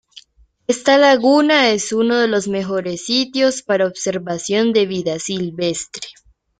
Esta laguna es uno de los mejores sitios para observación de vida silvestre.